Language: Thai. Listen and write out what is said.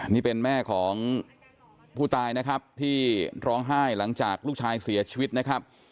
นี่เป็นแม่ของผู้ตายนะครับที่ร้องไห้หลังจากลูกชายเสียชีวิตนะครับ